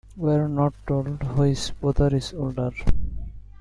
We are not told which brother is older.